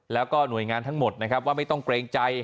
แล้วก็หน่วยงานทั้งหมดนะครับว่าไม่ต้องเกรงใจ